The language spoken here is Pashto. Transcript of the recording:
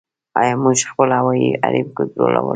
آیا موږ خپل هوایي حریم کنټرولوو؟